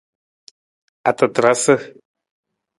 Atatarasa.